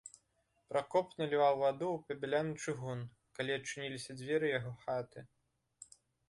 Пракоп наліваў ваду ў пабяляны чыгун, калі адчыніліся дзверы яго хаты.